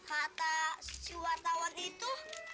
fata si wartawan itu